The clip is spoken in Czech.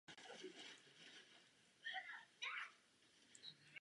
Jaký smysl má taková politika, jejímž cílem je rozdělení břemene?